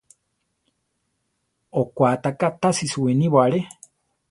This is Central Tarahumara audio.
Okwá ta ká tasi suwinibo aré.